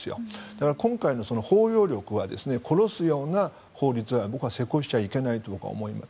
だから今回の包容力を殺すような法律は僕は施行しちゃいけないと思います。